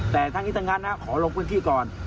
แต่ทั้งนี้ทั้งนั้นนะขอลงพื้นที่ก่อน